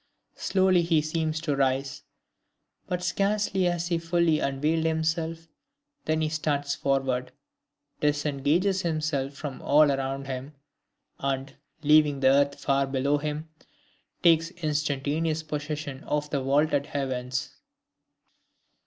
Slowly he seems to rise but scarcely has he fully unveiled himself, than he starts forward, disengages himself from all around him, and, leaving the earth far below him, takes instantaneous possession of the vaulted heavens....